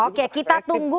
oke kita tunggu